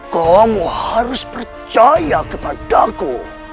kamu harus percaya kepadaku